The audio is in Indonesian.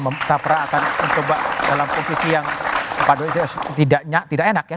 kita pernah akan mencoba dalam posisi yang tidak enak ya